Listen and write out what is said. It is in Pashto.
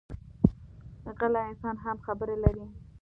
غلی انسان هم خبرې لري